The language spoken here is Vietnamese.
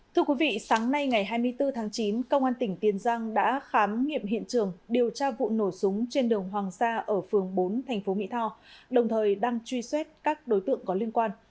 thưa quý vị sáng nay ngày hai mươi bốn tháng chín công an tỉnh tiền giang đã khám nghiệm hiện trường điều tra vụ nổ súng trên đường hoàng sa ở phường bốn thành phố mỹ tho đồng thời đang truy xét các đối tượng có liên quan